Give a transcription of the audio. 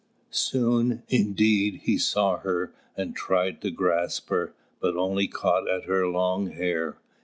Soon indeed he saw her and tried to grasp her, but only caught at her long hair.